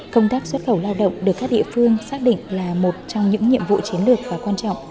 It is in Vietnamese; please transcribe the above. công tác xuất khẩu lao động được các địa phương xác định là một trong những nhiệm vụ chiến lược và quan trọng